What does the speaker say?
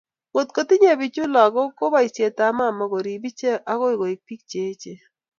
Ngotko tinye bichu lagok ko boisietab mama korib ichek agoi koek bik che eechen